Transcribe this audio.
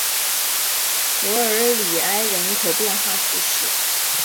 弗尔里埃人口变化图示